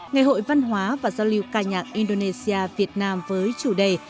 ngày hội văn hóa và giao lưu ca nhạc indonesia việt nam với chủ đề